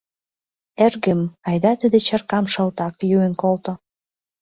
— Эргым, айда тиде чаркам шалтак йӱын колто.